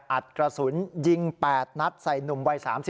อัดกระสุนยิง๘นัดใส่หนุ่มวัย๓๔